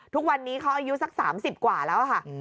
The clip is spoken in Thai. ทุกวันนี้เขาอายุสัก๓๐กว่าแล้วค่ะ